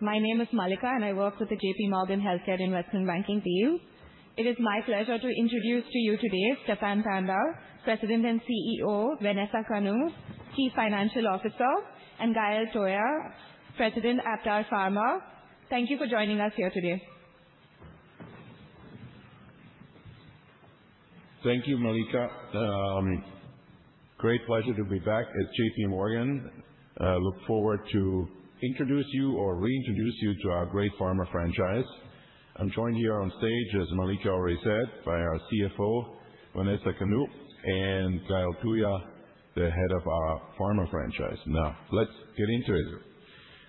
My name is Malika, and I work with the J.P. Morgan Healthcare Investment Banking team. It is my pleasure to introduce to you today Stephan Tanda, President and CEO, Vanessa Kanu, Chief Financial Officer, and Gael Touya, President, Aptar Pharma. Thank you for joining us here today. Thank you, Malika. Great pleasure to be back at J.P. Morgan. I look forward to introduce you or reintroduce you to our great pharma franchise. I'm joined here on stage, as Malika already said, by our CFO, Vanessa Kanu, and Gael Touya, the head of our pharma franchise. Now, let's get into it.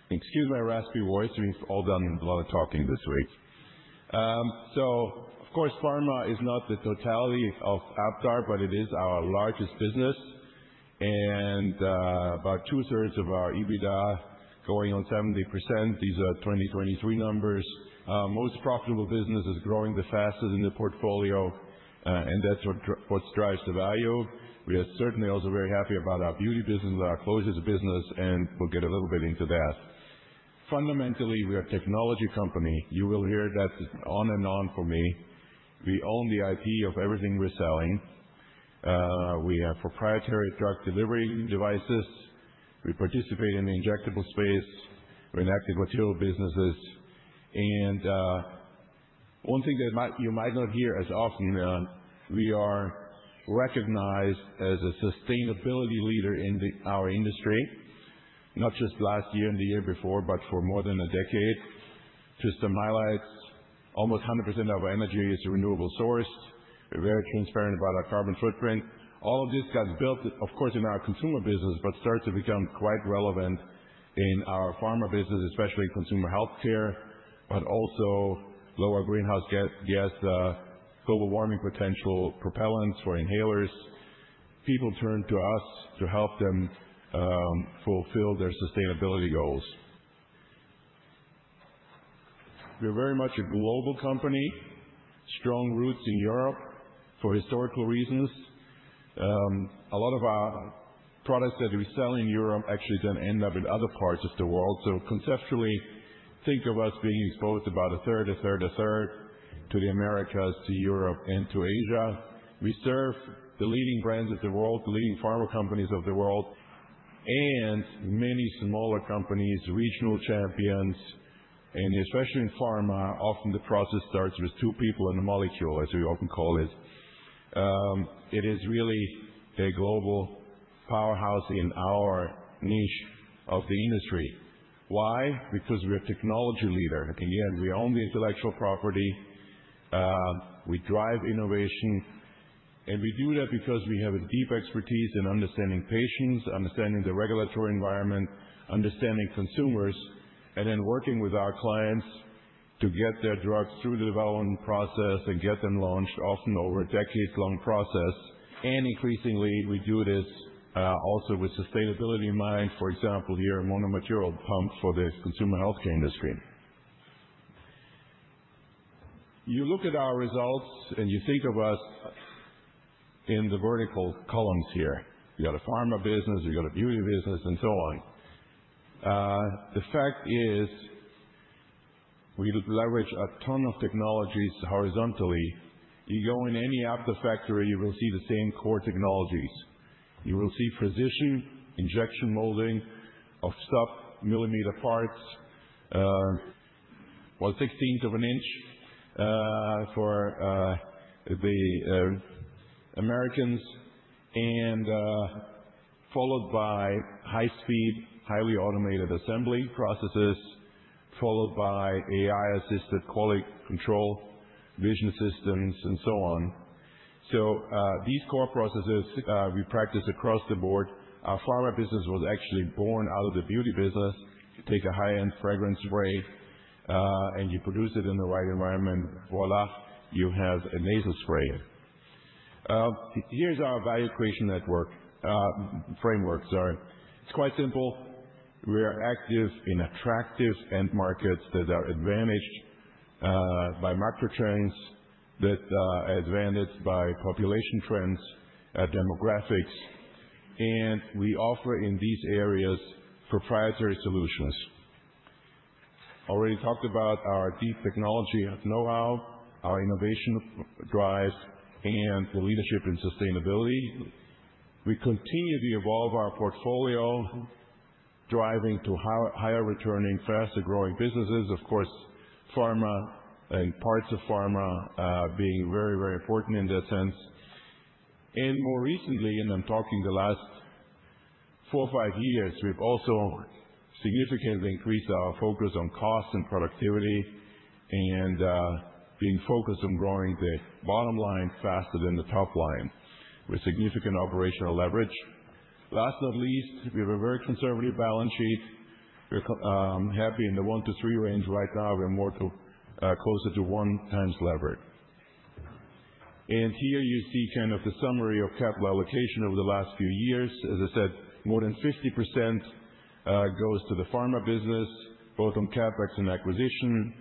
Excuse my raspy voice. We've all done a lot of talking this week. So, of course, pharma is not the totality of Aptar, but it is our largest business, and about two-thirds of our EBITDA going on 70%. These are 2023 numbers. Most profitable business is growing the fastest in the portfolio, and that's what drives the value. We are certainly also very happy about our beauty business, our closure business, and we'll get a little bit into that. Fundamentally, we are a technology company. You will hear that on and on from me. We own the IP of everything we're selling. We have proprietary drug delivery devices. We participate in the injectable space. We're in active material businesses, and one thing that you might not hear as often, we are recognized as a sustainability leader in our industry, not just last year and the year before, but for more than a decade. Just some highlights: almost 100% of our energy is a renewable source. We're very transparent about our carbon footprint. All of this got built, of course, in our consumer business, but started to become quite relevant in our pharma business, especially consumer healthcare, but also lower greenhouse gas, global warming potential propellants for inhalers. People turn to us to help them fulfill their sustainability goals. We're very much a global company, strong roots in Europe for historical reasons. A lot of our products that we sell in Europe actually then end up in other parts of the world. So, conceptually, think of us being exposed about a third, a third, a third to the Americas, to Europe, and to Asia. We serve the leading brands of the world, the leading pharma companies of the world, and many smaller companies, regional champions. And especially in pharma, often the process starts with two people and a molecule, as we often call it. It is really a global powerhouse in our niche of the industry. Why? Because we're a technology leader. Again, we own the intellectual property. We drive innovation. We do that because we have a deep expertise in understanding patients, understanding the regulatory environment, understanding consumers, and then working with our clients to get their drugs through the development process and get them launched, often over a decades-long process. Increasingly, we do this also with sustainability in mind, for example, here in monomaterial pump for the consumer healthcare industry. You look at our results and you think of us in the vertical columns here. We've got a pharma business, we've got a beauty business, and so on. The fact is we leverage a ton of technologies horizontally. You go in any Aptar factory, you will see the same core technologies. You will see precision injection molding of sub-millimeter parts, one-sixteenth of an inch for the Americans, and followed by high-speed, highly automated assembly processes, followed by AI-assisted quality control, vision systems, and so on. These core processes we practice across the board. Our pharma business was actually born out of the beauty business. You take a high-end fragrance spray, and you produce it in the right environment, voilà, you have a nasal spray. Here's our value creation network framework, sorry. It's quite simple. We are active in attractive end markets that are advantaged by market trends, that are advantaged by population trends, demographics, and we offer in these areas proprietary solutions. I already talked about our deep technology know-how, our innovation drive, and the leadership in sustainability. We continue to evolve our portfolio, driving to higher returning, faster-growing businesses, of course, pharma and parts of pharma being very, very important in that sense. More recently, and I'm talking the last four or five years, we've also significantly increased our focus on cost and productivity and being focused on growing the bottom line faster than the top line with significant operational leverage. Last but not least, we have a very conservative balance sheet. We're happy in the one to three range right now. We're more closer to one times leverage. Here you see kind of the summary of capital allocation over the last few years. As I said, more than 50% goes to the pharma business, both on CapEx and acquisition.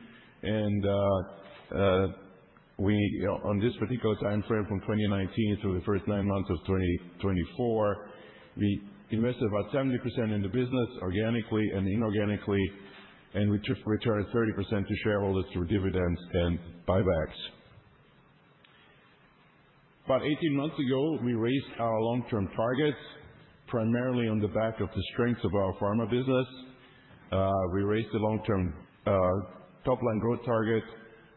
On this particular timeframe, from 2019 through the first nine months of 2024, we invested about 70% in the business organically and inorganically, and we returned 30% to shareholders through dividends and buybacks. About 18 months ago, we raised our long-term targets primarily on the back of the strengths of our pharma business. We raised the long-term top-line growth target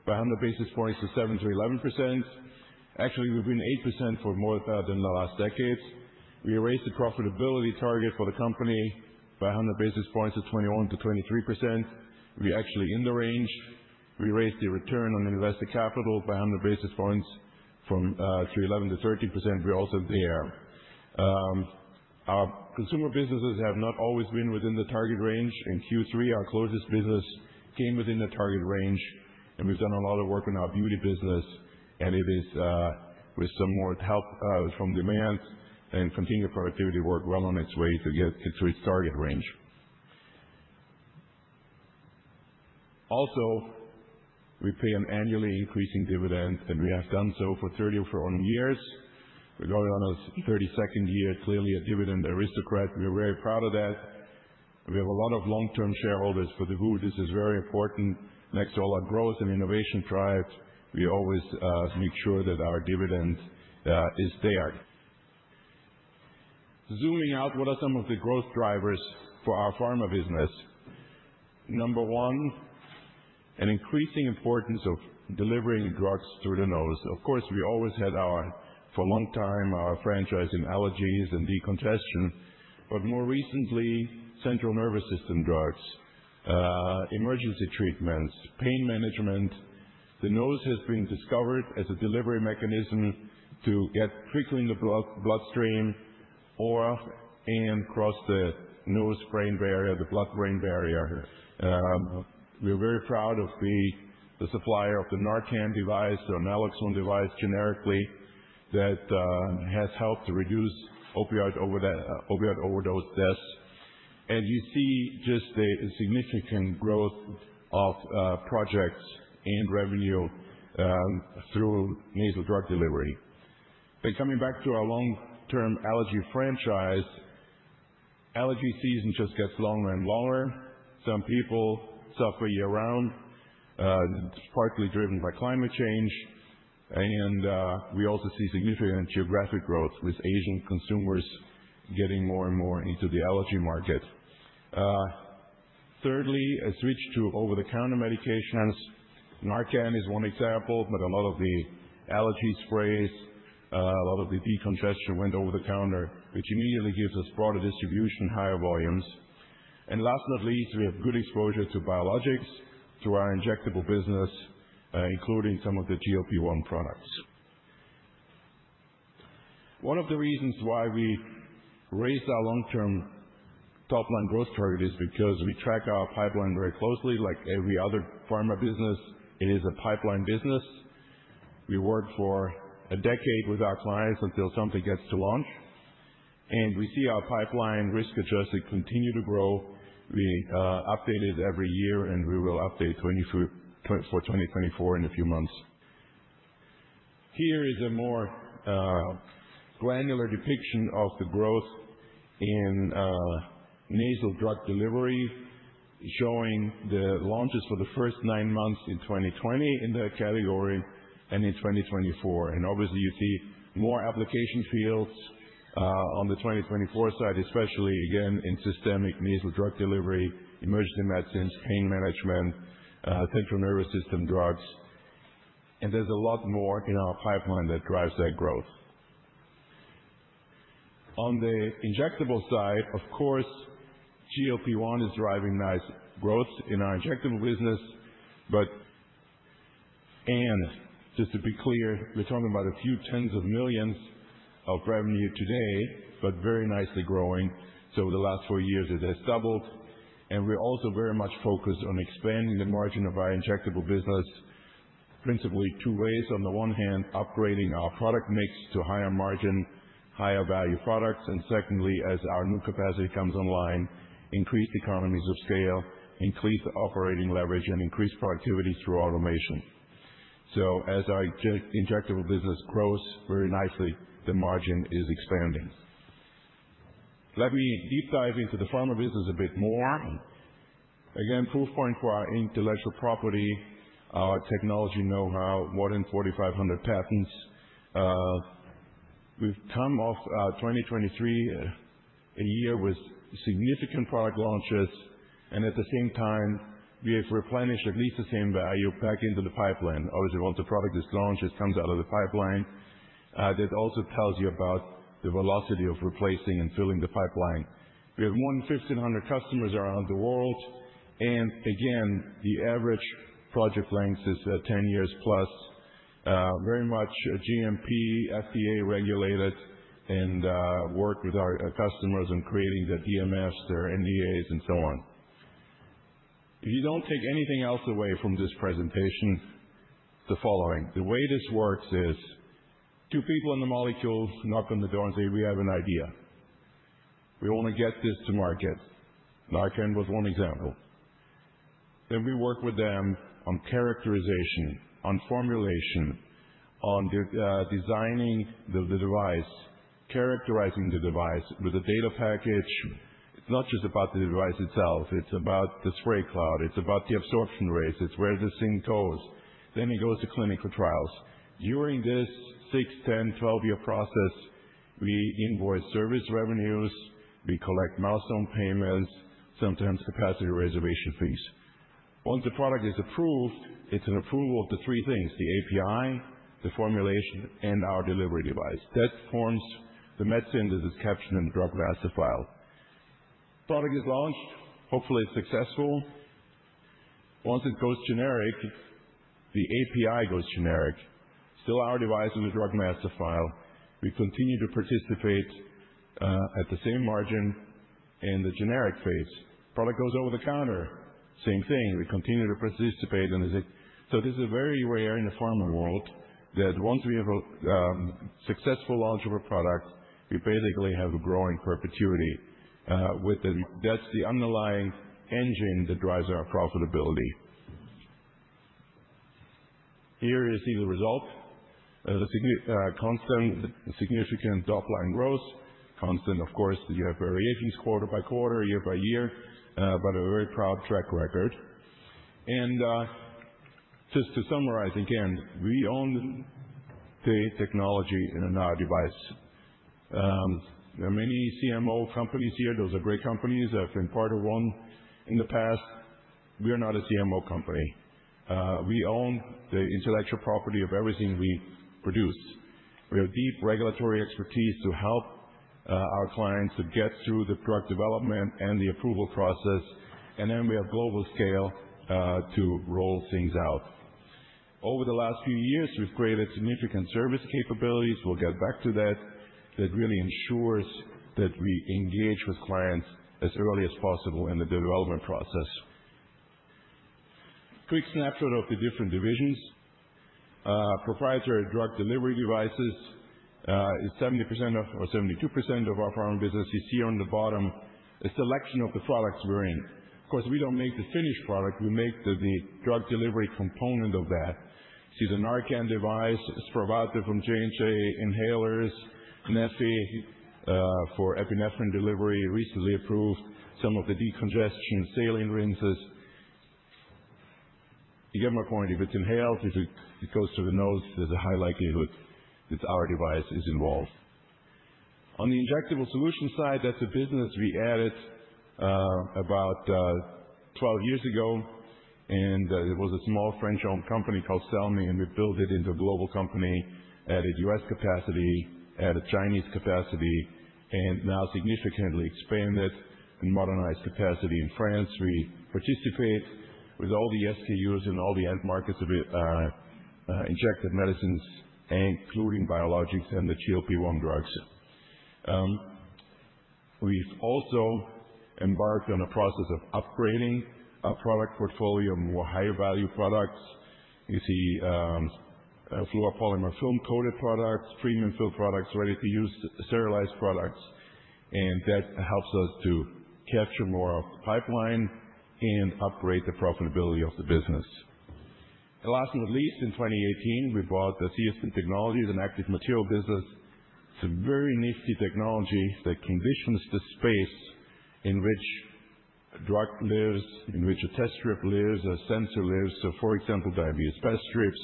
by 100 basis points to 7%-11%. Actually, we've been 8% for more than the last decade. We raised the profitability target for the company by 100 basis points to 21%-23%. We're actually in the range. We raised the return on invested capital by 100 basis points from 11%-13%. We're also there. Our consumer businesses have not always been within the target range. In Q3, our closest business came within the target range, and we've done a lot of work on our beauty business, and it is, with some more help from demand and continued productivity, working well on its way to get to its target range. Also, we pay an annually increasing dividend, and we have done so for 34 years. We're going on our 32nd year, clearly a dividend aristocrat. We're very proud of that. We have a lot of long-term shareholders. For the group, this is very important. Next to all our growth and innovation drive, we always make sure that our dividend is there. Zooming out, what are some of the growth drivers for our pharma business? Number one, an increasing importance of delivering drugs through the nose. Of course, we always had, for a long time, our franchise in allergies and decongestion, but more recently, central nervous system drugs, emergency treatments, pain management. The nose has been discovered as a delivery mechanism to get quickly in the bloodstream and across the nose-brain barrier, the blood-brain barrier. We're very proud of being the supplier of the Narcan device or naloxone device generically that has helped to reduce opioid overdose deaths. And you see just the significant growth of projects and revenue through nasal drug delivery. Then, coming back to our long-term allergy franchise, allergy season just gets longer and longer. Some people suffer year-round, partly driven by climate change. And we also see significant geographic growth with Asian consumers getting more and more into the allergy market. Thirdly, a switch to over-the-counter medications. Narcan is one example, but a lot of the allergy sprays, a lot of the decongestion went over the counter, which immediately gives us broader distribution, higher volumes. And last but not least, we have good exposure to biologics through our injectable business, including some of the GLP-1 products. One of the reasons why we raised our long-term top-line growth target is because we track our pipeline very closely, like every other pharma business. It is a pipeline business. We work for a decade with our clients until something gets to launch, and we see our pipeline risk-adjusted continue to grow. We update it every year, and we will update for 2024 in a few months. Here is a more granular depiction of the growth in nasal drug delivery, showing the launches for the first nine months in 2020 in that category and in 2024. Obviously, you see more application fields on the 2024 side, especially again in systemic nasal drug delivery, emergency medicines, pain management, central nervous system drugs, and there's a lot more in our pipeline that drives that growth. On the injectable side, of course, GLP-1 is driving nice growth in our injectable business. And just to be clear, we're talking about a few tens of millions of revenue today, but very nicely growing. So, over the last four years, it has doubled. And we're also very much focused on expanding the margin of our injectable business, principally two ways. On the one hand, upgrading our product mix to higher margin, higher value products. And secondly, as our new capacity comes online, increased economies of scale, increased operating leverage, and increased productivity through automation. So, as our injectable business grows very nicely, the margin is expanding. Let me deep dive into the pharma business a bit more. Again, proof point for our intellectual property, our technology know-how, more than 4,500 patents. We've come off 2023, a year with significant product launches. And at the same time, we have replenished at least the same value back into the pipeline. Obviously, once a product is launched, it comes out of the pipeline. That also tells you about the velocity of replacing and filling the pipeline. We have more than 1,500 customers around the world. And again, the average project length is 10 years+, very much GMP, FDA regulated, and work with our customers in creating the DMFs, their NDAs, and so on. If you don't take anything else away from this presentation, the following: the way this works is two people in the molecule knock on the door and say, "We have an idea. We want to get this to market." Narcan was one example. Then we work with them on characterization, on formulation, on designing the device, characterizing the device with a data package. It's not just about the device itself. It's about the spray cloud. It's about the absorption rates. It's where the zinc goes. Then it goes to clinical trials. During this six, 10, 12-year process, we invoice service revenues. We collect milestone payments, sometimes capacity reservation fees. Once the product is approved, it's an approval of the three things: the API, the formulation, and our delivery device. That forms the medicine that is captured in the Drug Master File. Product is launched. Hopefully, it's successful. Once it goes generic, the API goes generic. Still, our device is a drug master file. We continue to participate at the same margin in the generic phase. Product goes over the counter. Same thing. We continue to participate in the same. So, this is very rare in the pharma world that once we have a successful launch of a product, we basically have a growing perpetuity with the. That's the underlying engine that drives our profitability. Here you see the result: the significant top-line growth. Constant, of course, you have variations quarter by quarter, year by year, but a very proud track record. And just to summarize again, we own the technology in our device. There are many CMO companies here. Those are great companies. I've been part of one in the past. We are not a CMO company. We own the intellectual property of everything we produce. We have deep regulatory expertise to help our clients to get through the drug development and the approval process. And then we have global scale to roll things out. Over the last few years, we've created significant service capabilities. We'll get back to that. That really ensures that we engage with clients as early as possible in the development process. Quick snapshot of the different divisions. Proprietary drug delivery devices is 70% or 72% of our pharma business. You see on the bottom a selection of the products we're in. Of course, we don't make the finished product. We make the drug delivery component of that. You see the Narcan device is provided from J&J inhalers, Neffy for epinephrine delivery, recently approved, some of the decongestant saline rinses. You get my point. If it's inhaled, if it goes to the nose, there's a high likelihood that our device is involved. On the injectable solution side, that's a business we added about 12 years ago, and it was a small French-owned company called Stelmi, and we built it into a global company at a U.S. capacity, at a Chinese capacity, and now significantly expanded and modernized capacity in France. We participate with all the SKUs and all the end markets of injectable medicines, including biologics and the GLP-1 drugs. We've also embarked on a process of upgrading our product portfolio, more higher value products. You see fluoropolymer film-coated products, premium film products, ready-to-use sterilized products. And that helps us to capture more of the pipeline and upgrade the profitability of the business. And last but not least, in 2018, we bought CSP Technologies, an active material business. It's a very nifty technology that conditions the space in which a drug lives, in which a test strip lives, a sensor lives. So, for example, diabetes test strips.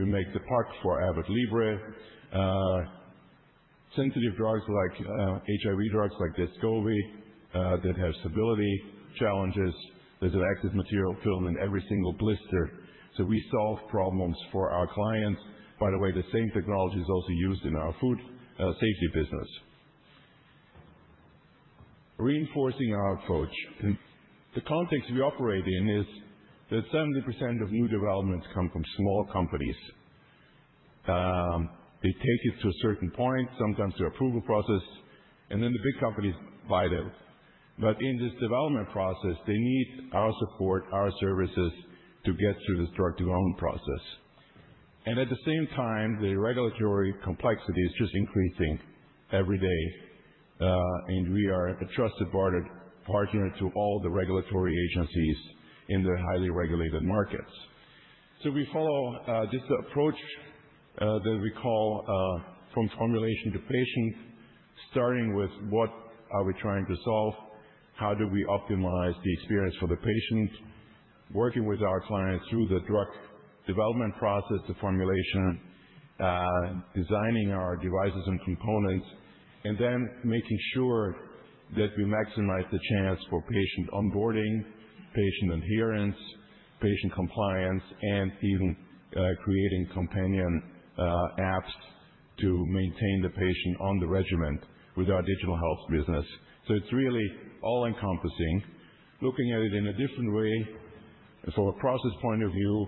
We make the pack for Abbott Libre. Sensitive drugs like HIV drugs like Descovy that have stability challenges. There's an active material film in every single blister. So, we solve problems for our clients. By the way, the same technology is also used in our food safety business. Reinforcing our approach. The context we operate in is that 70% of new developments come from small companies. They take it to a certain point, sometimes through approval process, and then the big companies buy them, but in this development process, they need our support, our services to get through this drug development process, and at the same time, the regulatory complexity is just increasing every day, and we are a trusted partner to all the regulatory agencies in the highly regulated markets. So, we follow this approach that we call from formulation to patient, starting with what are we trying to solve, how do we optimize the experience for the patient, working with our clients through the drug development process, the formulation, designing our devices and components, and then making sure that we maximize the chance for patient onboarding, patient adherence, patient compliance, and even creating companion apps to maintain the patient on the regimen with our digital health business. So, it's really all-encompassing, looking at it in a different way. From a process point of view,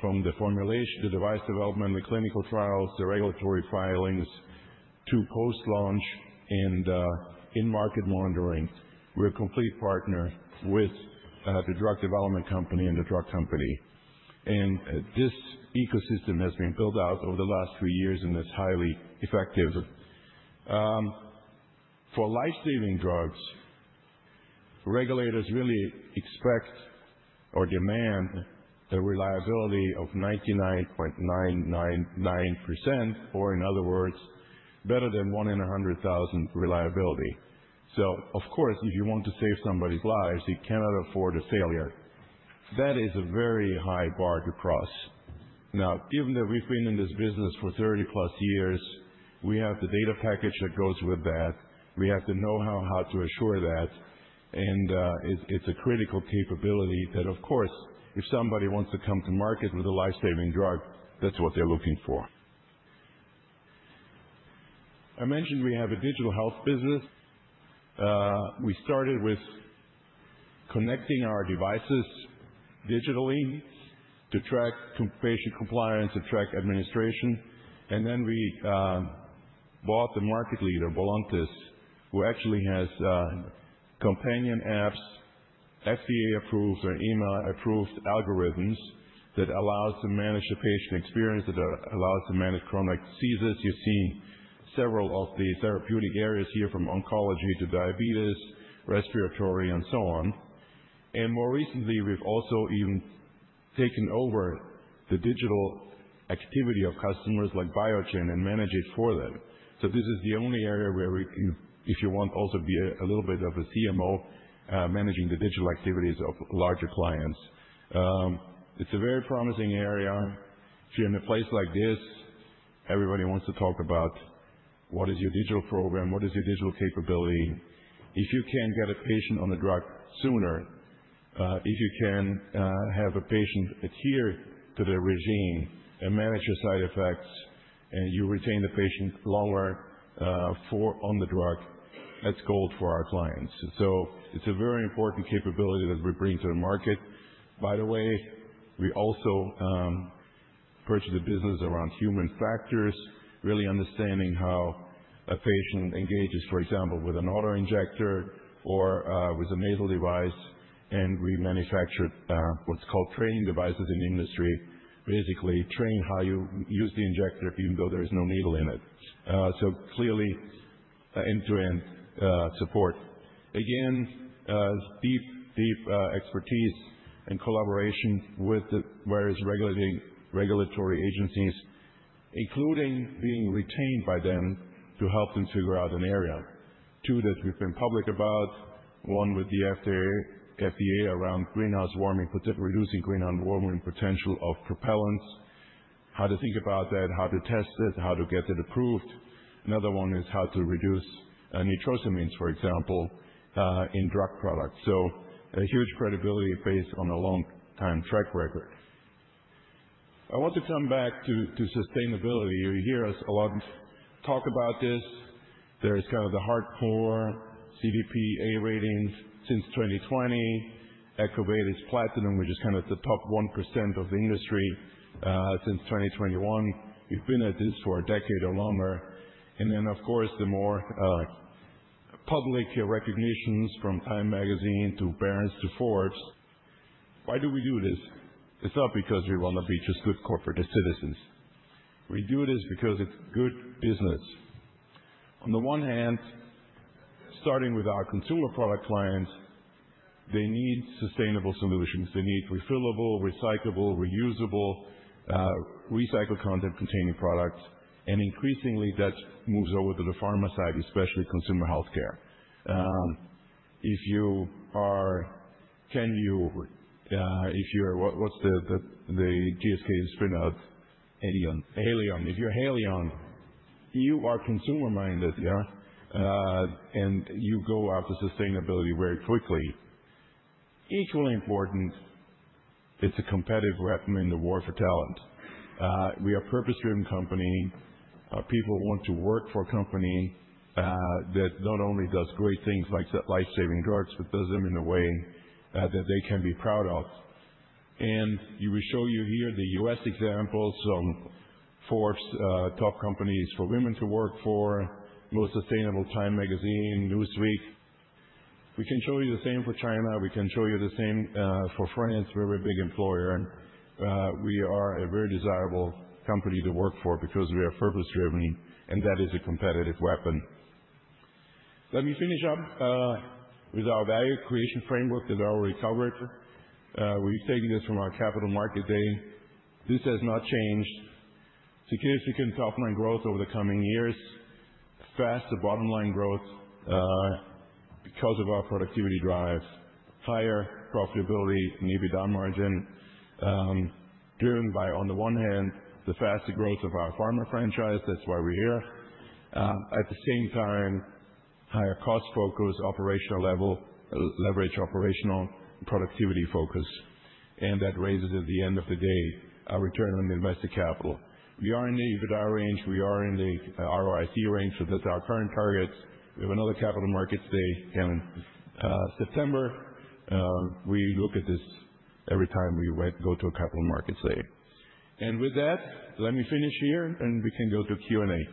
from the formulation, the device development, the clinical trials, the regulatory filings, to post-launch and in-market monitoring, we're a complete partner with the drug development company and the drug company. And this ecosystem has been built out over the last few years and is highly effective. For lifesaving drugs, regulators really expect or demand a reliability of 99.999%, or in other words, better than 1 in 100,000 reliability. So, of course, if you want to save somebody's lives, you cannot afford a failure. That is a very high bar to cross. Now, given that we've been in this business for 30+ years, we have the data package that goes with that. We have the know-how how to assure that. And it's a critical capability that, of course, if somebody wants to come to market with a lifesaving drug, that's what they're looking for. I mentioned we have a digital health business. We started with connecting our devices digitally to track patient compliance and track administration. And then we bought the market leader, Voluntis, who actually has companion apps, FDA-approved or EMA-approved algorithms that allow us to manage the patient experience, that allow us to manage chronic diseases. You've seen several of the therapeutic areas here from oncology to diabetes, respiratory, and so on. More recently, we've also even taken over the digital activity of customers like Biogen and manage it for them. This is the only area where if you want also to be a little bit of a CMO managing the digital activities of larger clients. It's a very promising area. If you're in a place like this, everybody wants to talk about what is your digital program, what is your digital capability. If you can get a patient on a drug sooner, if you can have a patient adhere to their regimen and manage your side effects, and you retain the patient longer on the drug, that's gold for our clients. So, it's a very important capability that we bring to the market. By the way, we also purchased a business around human factors, really understanding how a patient engages, for example, with an auto injector or with a nasal device. And we manufacture what's called training devices in the industry, basically train how you use the injector, even though there is no needle in it. So, clearly, end-to-end support. Again, deep, deep expertise and collaboration with the various regulatory agencies, including being retained by them to help them figure out an area. Two that we've been public about, one with the FDA around greenhouse warming, reducing greenhouse warming potential of propellants, how to think about that, how to test it, how to get it approved. Another one is how to reduce nitrosamines, for example, in drug products. So, a huge credibility based on a long-time track record. I want to come back to sustainability. You hear us a lot talk about this. There's kind of the hardcore CDP ratings since 2020. EcoVadis is platinum, which is kind of the top 1% of the industry since 2021. We've been at this for a decade or longer. And then, of course, the more public recognitions from Time Magazine to Barron's to Forbes. Why do we do this? It's not because we want to be just good corporate citizens. We do this because it's good business. On the one hand, starting with our consumer product clients, they need sustainable solutions. They need refillable, recyclable, reusable, recycled content-containing products, and increasingly, that moves over to the pharma side, especially consumer healthcare. If you are Kanu, if you're what's the GSK spin out? Haleon. Haleon. If you're Haleon, you are consumer-minded, yeah, and you go after sustainability very quickly. Equally important, it's a competitive weapon in the war for talent. We are a purpose-driven company. People want to work for a company that not only does great things like lifesaving drugs, but does them in a way that they can be proud of, and we show you here the U.S. examples of Forbes, top companies for women to work for, most sustainable Time Magazine, Newsweek. We can show you the same for China. We can show you the same for France, very big employer. We are a very desirable company to work for because we are purpose-driven, and that is a competitive weapon. Let me finish up with our value creation framework that I already covered. We've taken this from our capital markets day. This has not changed. Significant top-line growth over the coming years. Faster bottom-line growth because of our productivity drive. Higher profitability, maybe down margin, driven by, on the one hand, the faster growth of our pharma franchise. That's why we're here. At the same time, higher cost focus, operational level, leverage operational productivity focus, and that raises at the end of the day our return on invested capital. We are in the EBITDA range. We are in the ROIC range. So, that's our current target. We have another capital markets day come September. We look at this every time we go to a capital markets day. With that, let me finish here, and we can go to Q&A.